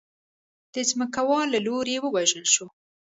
د ځمکوالو له لوري ووژل شو.